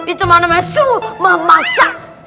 itu maknanya semua memaksa